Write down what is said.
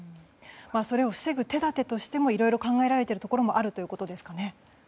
それを防ぐ手立てとしてもいろいろ考えられているところもあるということですかね。